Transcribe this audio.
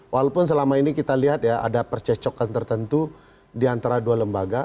walaupun selama ini kita lihat ya ada percecokan tertentu di antara dua lembaga